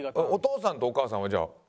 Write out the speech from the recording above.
お父さんとお母さんはじゃあ。